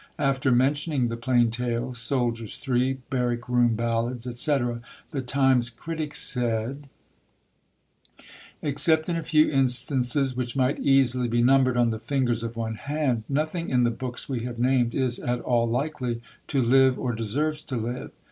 After mentioning the Plain Tales, Soldiers Three, Barrack room Ballads, etc., the Times critic said: "Except in a few instances which might easily be numbered on the fingers of one hand, nothing in the books we have named is at all likely to live or deserves to live....